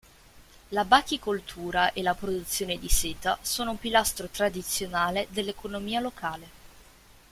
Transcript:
La bachicoltura e la produzione di seta sono un pilastro tradizionale dell'economia locale.